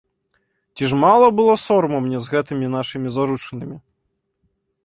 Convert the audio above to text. Ці ж мала было сораму мне з гэтымі нашымі заручынамі?